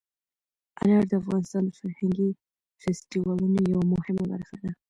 انار د افغانستان د فرهنګي فستیوالونو یوه مهمه برخه ده.